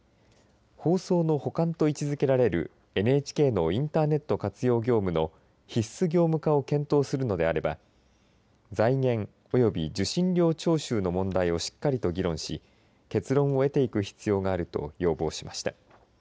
放送の補完と位置づけられるＮＨＫのインターネット活用業務の必須業務化を検討するのであれば財源、及び受信料徴収の問題をしっかりと議論し結論を得ていく必要があると要望しました。